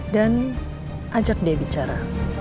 dan ajak dia bicara